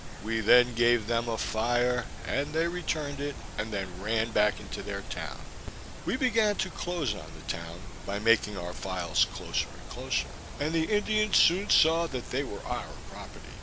We then gave them a fire, and they returned it, and then ran back into their town. We began to close on the town by making our files closer and closer, and the Indians soon saw they were our property.